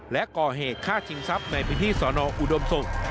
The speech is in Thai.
และก่อเหตุฆ่าชิงทรัพย์ในพื้นที่สอนออุดมศุกร์